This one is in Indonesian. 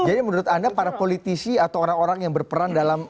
jadi menurut anda para politisi atau orang orang yang berperan dalam